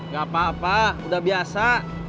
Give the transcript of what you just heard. gak apa apa udah biasa